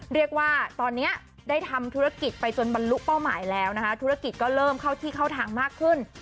เรียกว่าตอนนี้ได้ทำธุรกิจไปจนบรรลุเป้าหมายแล้วนะคะธุรกิจก็เริ่มเข้าที่เข้าทางมากขึ้น